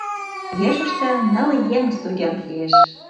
Ешыште ныл еҥ студент лиеш.